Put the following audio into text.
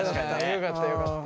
よかったよかった。